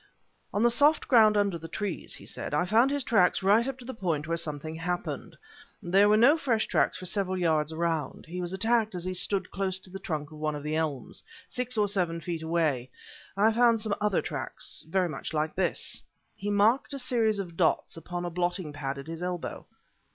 "On the soft ground under the trees," he said, "I found his tracks right up to the point where something happened. There were no other fresh tracks for several yards around. He was attacked as he stood close to the trunk of one of the elms. Six or seven feet away I found some other tracks, very much like this." He marked a series of dots upon the blotting pad at his elbow.